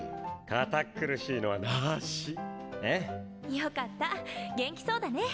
よかった元気そうだね。